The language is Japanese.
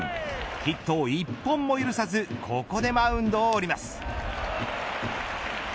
ヒットを１本も許さずここでマウンドを降ります。